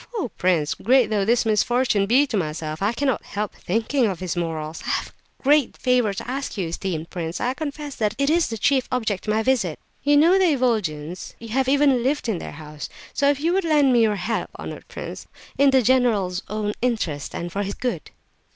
Oh, prince, great though this misfortune be to myself, I cannot help thinking of his morals! I have a great favour to ask of you, esteemed prince; I confess that it is the chief object of my visit. You know the Ivolgins, you have even lived in their house; so if you would lend me your help, honoured prince, in the general's own interest and for his good."